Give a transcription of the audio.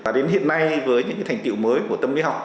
và đến hiện nay với những thành tiệu mới của tâm lý học